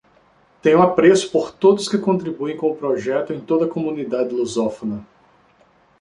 Tenho apreço por todos que contribuem com o projeto em toda a comunidade lusófona